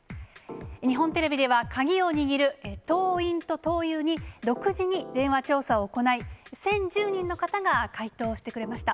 日本テレビでは、鍵を握る党員と党友に独自に電話調査を行い、１０１０人の方が回答してくれました。